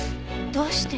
どうして。